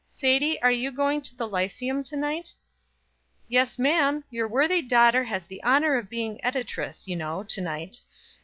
Sadie, are you going to the lyceum tonight?" "Yes, ma'am. Your worthy daughter has the honor of being editress, you know, to night.